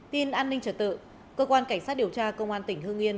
tin an ninh trở tự cơ quan cảnh sát điều tra công an tỉnh hương yên